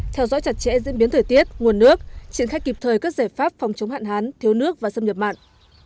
theo dõi chặt chẽ diễn biến thời tiết nguồn nước triển khai kịp thời các giải pháp phòng chống hạn hán thiếu nước và xâm nhập mặn